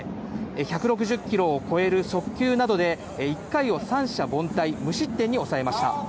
１６０キロを超える速球などで１回を三者凡退、無失点に抑えました。